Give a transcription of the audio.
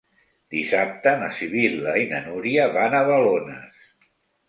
Dissabte na Sibil·la i na Núria van a Balones.